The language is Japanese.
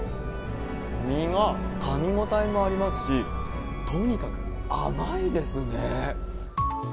身がかみ応えもありますし、とにかく甘いですね。